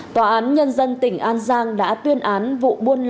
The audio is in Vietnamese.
tòa án nhân dân tỉnh an giang đã tuyên án vụ buôn lậu